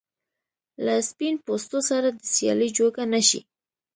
له سپین پوستو سره د سیالۍ جوګه نه شي.